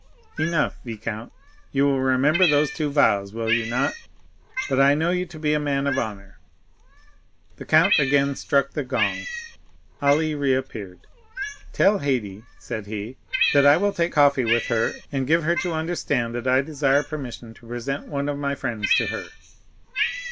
"Enough, viscount; you will remember those two vows, will you not? But I know you to be a man of honor." The count again struck the gong. Ali reappeared. "Tell Haydée," said he, "that I will take coffee with her, and give her to understand that I desire permission to present one of my friends to her."